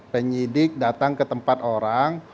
penyidik datang ke tempat orang